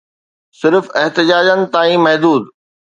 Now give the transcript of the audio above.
صرف احتجاجن تائين محدود